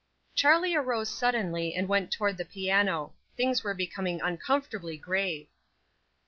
CHARLIE arose suddenly and went toward the piano. Things were becoming uncomfortably grave.